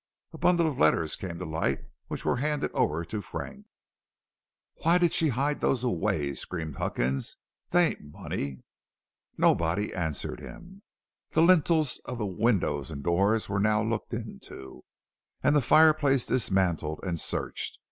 A bundle of letters came to light and were handed over to Frank. "Why did she hide those away?" screamed Huckins. "They ain't money." Nobody answered him. The lintels of the windows and doors were now looked into, and the fireplace dismantled and searched.